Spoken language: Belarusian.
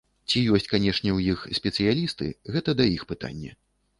Ці ёсць канешне у іх спецыялісты, гэта да іх пытанне.